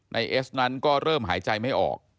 เอสนั้นก็เริ่มหายใจไม่ออก